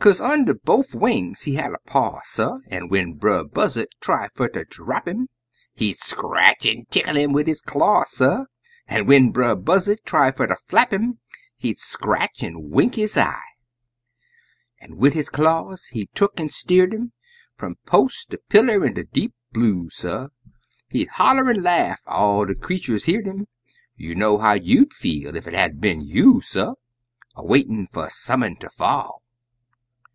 Kaze under bofe wings he had a paw, suh, An', when Brer Buzzard try fer ter drap 'im. He'd scratch an' tickle 'im wid his claw, suh; An' when Brer Buzzard try fer ter flap 'im, He'd scratch an' wink his eye! An' wid his claws he tuck an' steered 'im Fum post ter pillar in de deep blue, suh; He'd holla an' laugh all de creeturs heer'd 'im You know how you'd feel ef it hab been you, suh, A waitin' fer some un ter fall!